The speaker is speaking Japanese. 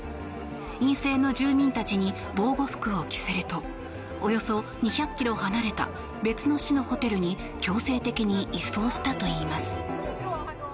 陰性の住民たちに防護服を着せるとおよそ２００ｋｍ離れた別の市のホテルに強制的に移送したといいます。